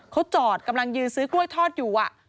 เขาจอดกำลังยืนซื้อกล้วยทอดอยู่